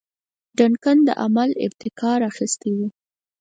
ډنکن د عمل ابتکار اخیستی وو.